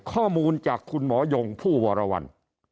ข้อมูลจากคุณหมอยงผู้วรวรรณ